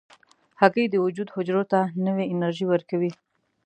هګۍ د وجود حجرو ته نوې انرژي ورکوي.